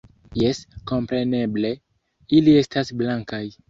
Jes, kompreneble, ili estas blankaj...